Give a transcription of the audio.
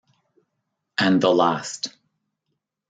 And the last.